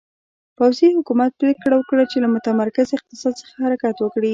پوځي حکومت پرېکړه وکړه چې له متمرکز اقتصاد څخه حرکت وکړي.